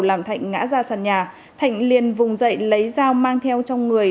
làm thạnh ngã ra sàn nhà thạnh liền vùng dậy lấy dao mang theo trong người